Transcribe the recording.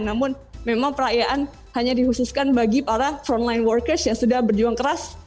namun memang perayaan hanya dihususkan bagi para frontline workers yang sudah berjuang keras